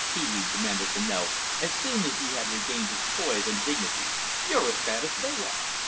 Pee wee demanded to know, as soon as he had regained his poise and dignity. "You're as bad as they are."